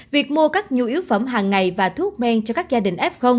việc mua các nhu yếu phẩm hàng ngày và thuốc men cho các gia đình f